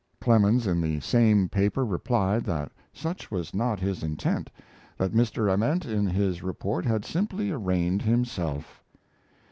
Clemens in the same paper replied that such was not his intent, that Mr. Ament in his report had simply arraigned himself.